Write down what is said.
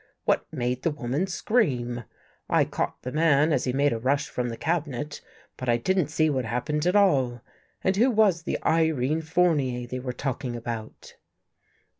What made the woman scream? I caught the man as he made a rush from the cabinet, but I didn't see what happened at all. And who was the Irene Fournier they were talking about?